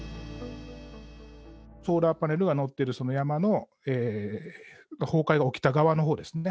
ソーラーパネルが載ってる山の崩壊が起きた側のほうですね。